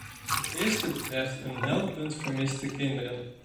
De eerste betreft een meldpunt vermiste kinderen.